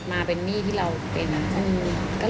ไม่มีทรัพย์สินอยู่แล้ว